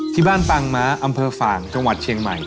ปางม้าอำเภอฝ่างจังหวัดเชียงใหม่